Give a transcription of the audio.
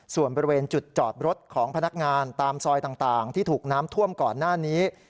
ส่วนบริเวณจุดจอดรถของพนักงานตามซอยต่างที่ถูกน้ำท่วมก่อนหน้านี้